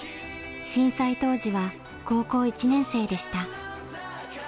震災当時は高校１年生でした。